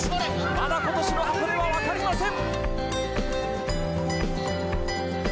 まだ今年の箱根はわかりません！